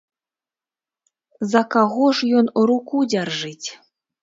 За каго ж ён руку дзяржыць?